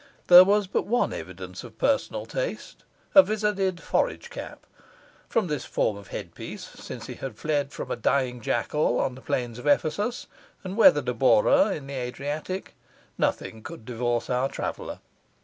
There was but one evidence of personal taste, a vizarded forage cap; from this form of headpiece, since he had fled from a dying jackal on the plains of Ephesus, and weathered a bora in the Adriatic, nothing could divorce our traveller.